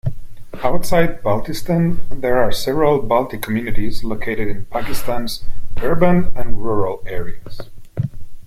Outside Baltistan, there are several Balti communities located in Pakistan's urban and rural areas.